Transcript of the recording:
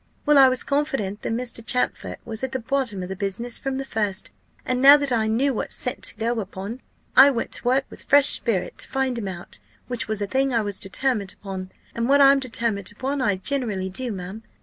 Well, I was confident that Mr. Champfort was at the bottom of the business from the first; and now that I knew what scent to go upon, I went to work with fresh spirit to find him out, which was a thing I was determined upon and what I'm determined upon, I generally do, ma'am.